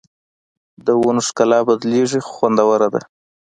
د ونو ښکلا بدلېږي خو خوندوره ده